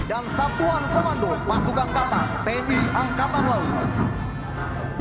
dan satuan komando pasukan angkatan tni angkatan laut